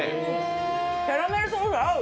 キャラメルソース、合う。